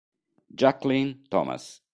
Jacqueline Thomas